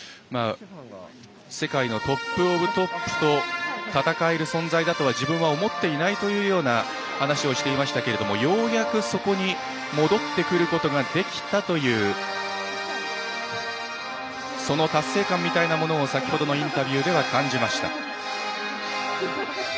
世界のトップオブトップと戦える存在と自分は思っていないというような話をしていましたけれどもようやく、そこに戻ってくることができたというその達成感みたいなものを先ほどのインタビューでは感じました。